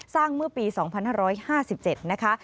สร้างเมื่อปี๒๕๕๗นะคะ